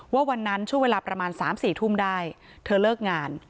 วันนั้นช่วงเวลาประมาณ๓๔ทุ่มได้เธอเลิกงาน